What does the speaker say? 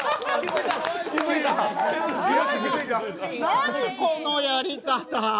何このやり方。